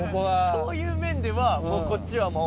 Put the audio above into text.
そういう面ではこっちはもう。